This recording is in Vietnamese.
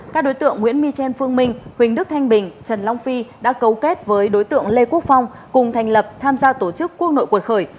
các đối tượng nguyễn michel phương minh huỳnh đức thanh bình trần long phi đã cấu kết với đối tượng lê quốc phong cùng thành lập tham gia tổ chức quốc nội cuột khởi